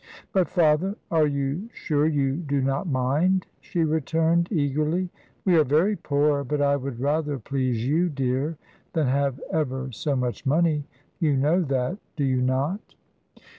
"But, father, are you sure you do not mind?" she returned, eagerly. "We are very poor, but I would rather please you, dear, than have ever so much money you know that, do you not?"